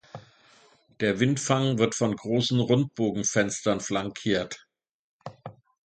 Der Windfang wird von großen Rundbogenfenstern flankiert.